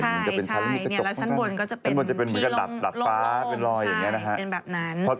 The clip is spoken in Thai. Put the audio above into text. ใช่แล้วชั้นบนก็จะเป็นมีกระดับลงลงเป็นรอยอย่างนี้นะครับ